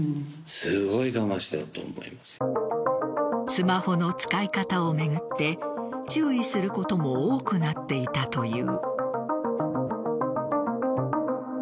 スマホの使い方を巡って注意することも多くなっていたという。